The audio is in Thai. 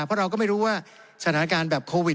เพราะเราก็ไม่รู้ว่าสถานการณ์แบบโควิด